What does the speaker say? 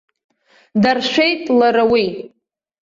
Даршәеит лара уи.